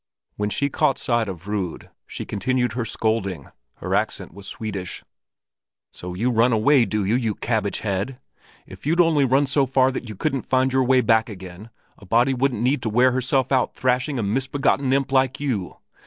When she caught sight of Rud, she continued her scolding. Her accent was Swedish. "So you run away, do you, you cabbage head! If you'd only run so far that you couldn't find your way back again, a body wouldn't need to wear herself out thrashing a misbegotten imp like you!